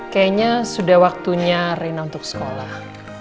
kayaknya sudah waktunya rina untuk sekolah